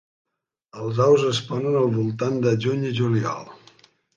Els ous es ponen al voltant de juny i juliol.